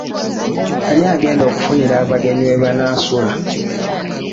Ani agenda okufunira abagenyi we banaasula?